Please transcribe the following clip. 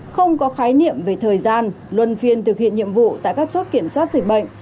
không có khái niệm về thời gian luân phiên thực hiện nhiệm vụ tại các chốt kiểm soát dịch bệnh